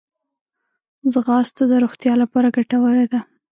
ځغاسته د روغتیا لپاره ګټوره ده